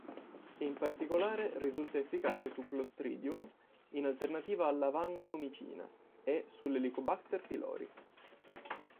In particolare risulta efficace su Clostridium in alternativa alla vancomicina, e sull'Helicobacter Pylori.